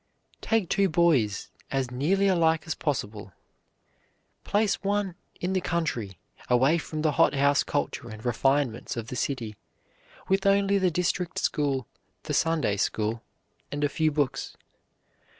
Take two boys, as nearly alike as possible. Place one in the country away from the hothouse culture and refinements of the city, with only the district school, the Sunday school, and a few books.